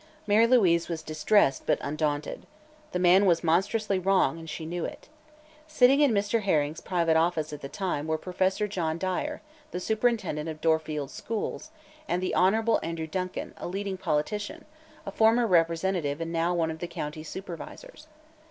Mary Louise was distressed, but undaunted. The man was monstrously wrong, and she knew it. Sitting in Mr. Herring's private office at the time were Professor John Dyer, the superintendent of Dorfield's schools, and the Hon. Andrew Duncan, a leading politician, a former representative and now one of the county supervisors.